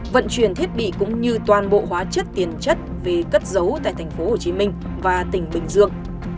vận chuyển thiết bị cũng như toàn bộ hóa chất tiền chất về cất giấu tại thành phố hồ chí minh và tỉnh bình dương